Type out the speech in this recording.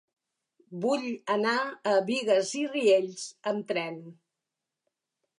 Vull anar a Bigues i Riells amb tren.